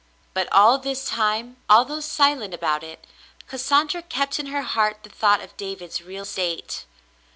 But all this time, although silent about it, Cassandra kept in her heart the thought of David's real state.